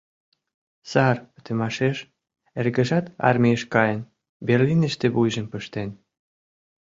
Сар пытымашеш эргыжат армийыш каен, Берлиныште вуйжым пыштен.